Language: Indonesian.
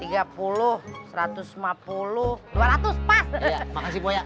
iya makasih boya